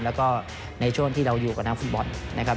แล้วก็ในช่วงที่เราอยู่กับนักฟุตบอลนะครับ